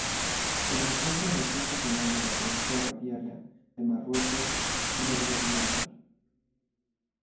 Se encuentra en el punto final de la red ferroviaria de Marruecos meridional.